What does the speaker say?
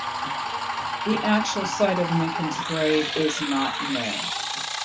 The actual site of Ninken's grave is not known.